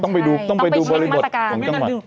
ต้องไปดูบริบทต้องไปดูมาตรการ